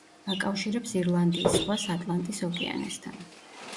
აკავშირებს ირლანდიის ზღვას ატლანტის ოკეანესთან.